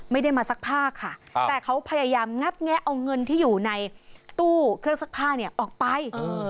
ไม่ได้มาซักผ้าค่ะแต่เขาพยายามงัดแงะเอาเงินที่อยู่ในตู้เครื่องซักผ้าเนี่ยออกไป